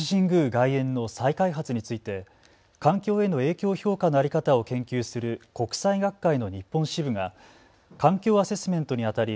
外苑の再開発について環境への影響評価の在り方を研究する国際学会の日本支部が環境アセスメントにあたり